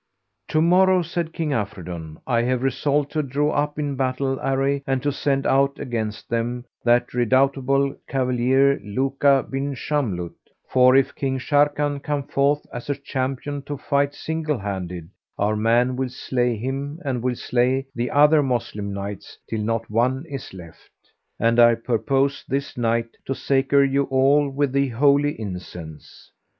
"To morrow," said King Afridun, "I have resolved to draw up in battle array and to send out against them that redoubtable cavalier, Lúká bin Shamlút; for if King Sharrkan come forth as a champion to fight single handed, our man will slay him and will slay the other Moslem Knights, till not one is left. And I purpose this night to sacre you all with the Holy Incense."